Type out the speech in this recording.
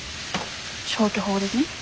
消去法でね。